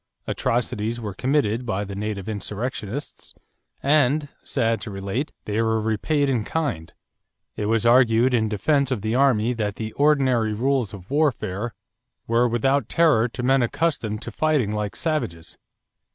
Atrocities were committed by the native insurrectionists and, sad to relate, they were repaid in kind; it was argued in defense of the army that the ordinary rules of warfare were without terror to men accustomed to fighting like savages.